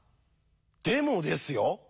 でもですよ